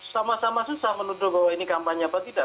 sama sama susah menuduh bahwa ini kampanye apa tidak